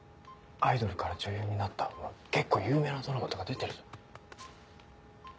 アイドルから女優になったほら結構有名なドラマとか出てるじゃん。